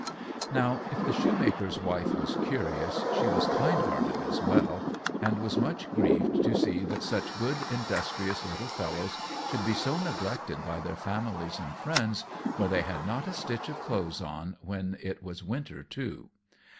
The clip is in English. Now, if the Shoemaker's wife was curious, she was kind hearted as well, and was much grieved to see that such good, industrious little fellows should be so neglected by their families and friends, for they had not a stitch of clothes on, when it was winter too.